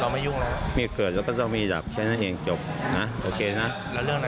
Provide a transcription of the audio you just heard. มีใครคำถามให้เกี่ยวกับคู่เรื่อง